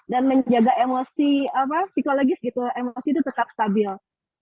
dan menjaga emosi psikologis emosi itu tetap stabil